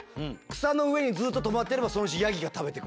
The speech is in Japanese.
草の上にずっと止まってればそのうちヤギが食べてくれる。